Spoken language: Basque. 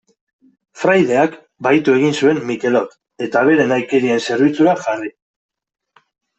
Fraideak bahitu egin zuen Mikelot, eta bere nahikerien zerbitzura jarri.